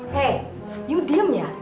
hei kamu diam ya